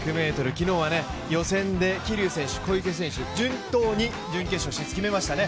昨日は予選で桐生選手、小池選手、順当に準決勝進出決めましたね。